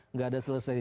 nggak ada selesai